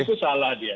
pak wiku salah dia